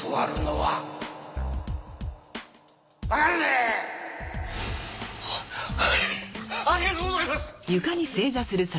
はっはいありがとうございます！